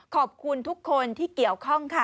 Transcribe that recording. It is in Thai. ขอบคุณทุกคนที่เกี่ยวข้องค่ะ